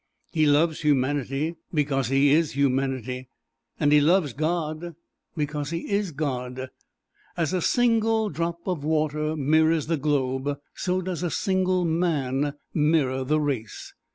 He loves humanity because he is Humanity, and he loves God because he is God. As a single drop of water mirrors the globe, so does a single man mirror the race.